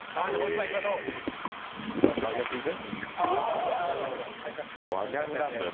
一番真逆いく？